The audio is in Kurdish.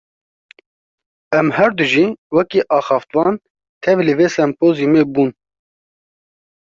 Em herdu jî, wekî axaftvan tev li vê sempozyûmê bûn